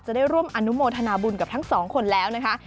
ได้ร่วมอนุโมทนาบุญกับทั้งสองคนแล้วนะคะ